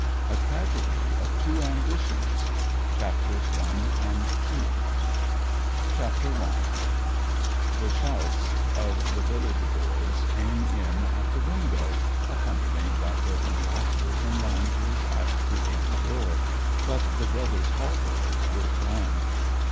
A TRAGEDY OF TWO AMBITIONS CHAPTER I The shouts of the village boys came in at the window, accompanied by broken laughter from loungers at the inn door; but the brothers Halborough worked on.